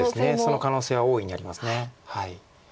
その可能性は大いにあります。